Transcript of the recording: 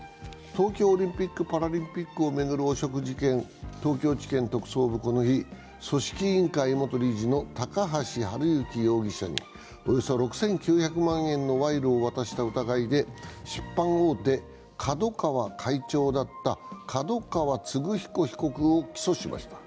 東京オリンピック・パラリンピックを巡る汚職事件、東京地検特捜部はこの日、組織委員会元理事の高橋治之容疑者におよそ６９００万円の賄賂を渡した疑いで出版大手・ＫＡＤＯＫＡＷＡ会長だった角川歴彦被告を起訴しました。